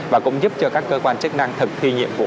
và cũng giúp cho các cơ quan chức năng thực thi nhiệm vụ